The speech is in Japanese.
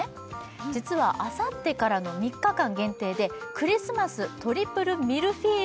実はあさってからの３日間限定でクリスマストリプルミルフィーユ